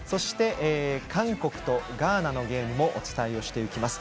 韓国とガーナのゲームもお伝えしていきます。